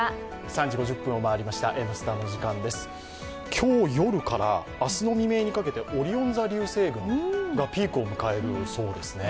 今日夜から明日の未明にかけてオリオン座流星群がピークを迎えるそうですね。